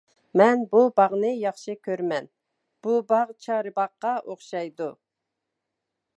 مەن بۇ باغنى ياخشى كۆرىمەن، بۇ باغ چارباغقا ئوخشايدۇ.